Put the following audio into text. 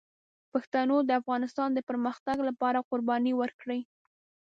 پښتنو د افغانستان د پرمختګ لپاره قربانۍ ورکړي.